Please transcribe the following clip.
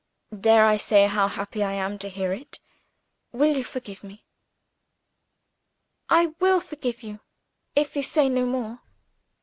"Dare I say how happy I am to hear it? Will you forgive me?" "I will forgive you if you say no more."